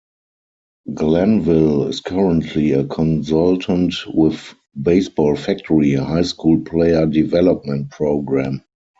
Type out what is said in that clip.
Glanville is currently a consultant with Baseball Factory, a high-school player development program.